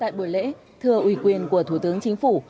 tại buổi lễ thưa ủy quyền của thủ tướng chính phủ